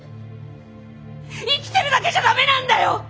生きてるだけじゃダメなんだよ！